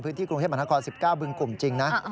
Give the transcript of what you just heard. พื้นที่กรุงเทพมันธกร๑๙บึงกลุ่มจริงนะ